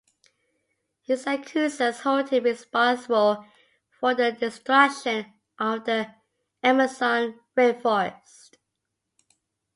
His accusers hold him responsible for the destruction of the Amazon rainforest.